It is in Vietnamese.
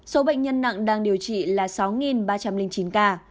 số bệnh nhân nặng đang điều trị là sáu ba trăm linh chín ca